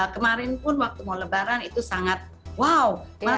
kemarin pun waktu mau lebaran itu sangat wow